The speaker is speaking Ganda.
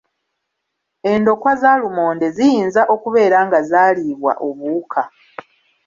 Endokwa za lumonde ziyinza okubeera nga zaaliibwa obuwuka.